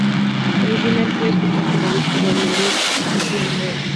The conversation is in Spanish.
La original puede escucharse en el disco doble "Live at the Fillmore East".